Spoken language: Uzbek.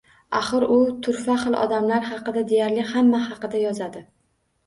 Axir, u turfa xil odamlar haqida, deyarli hamma haqida yozadi